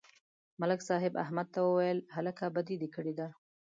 ملک صاحب احمد ته وویل: هلکه، بدي دې کړې ده.